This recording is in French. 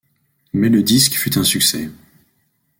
Mais le disque fut un succès.